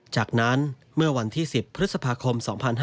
จากนั้นเมื่อวันที่๑๐พฤษภาคม๒๕๕๙